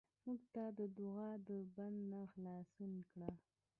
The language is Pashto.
مړه ته د دوعا د بند نه خلاص کړه